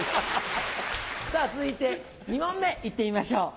さぁ続いて２問目いってみましょう。